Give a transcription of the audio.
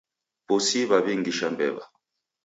Pusi waw'ingisha mbew'a.